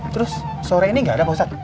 terus sore ini gak ada pak ustadz